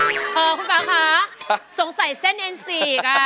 เออคุณฟ้าคะสงสัยเส้นเอ็นสี่อีกค่ะ